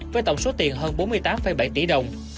với tổng số tiền hơn bốn mươi tám bảy tỷ đồng